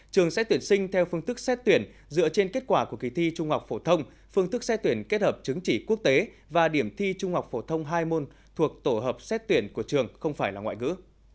trường sẽ tuyển sinh theo phương thức xét tuyển dựa trên kết quả của kỳ thi trung học phổ thông phương thức xét tuyển kết hợp chứng chỉ quốc tế và điểm thi trung học phổ thông hai môn thuộc tổ hợp xét tuyển của trường không phải là ngoại ngữ